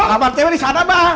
kamar tebek disana bang